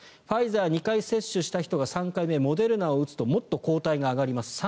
ファイザーを２回接種した人が３回目にモデルナを打つともっと抗体が上がります。